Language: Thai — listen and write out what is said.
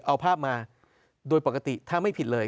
เอาภาพมาโดยปกติถ้าไม่ผิดเลย